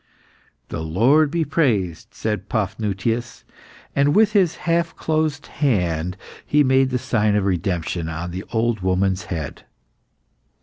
"The Lord be praised!" said Paphnutius, and with his half closed hand he made the sign of redemption on the old woman's head.